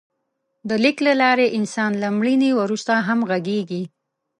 د لیک له لارې انسان له مړینې وروسته هم غږېږي.